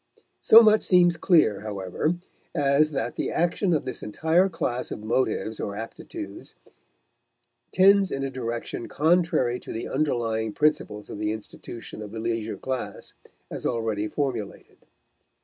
So much seems clear, however, as that the action of this entire class of motives or aptitudes tends in a direction contrary to the underlying principles of the institution of the leisure class as already formulated.